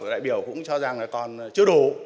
đại biểu cũng cho rằng là còn chưa đủ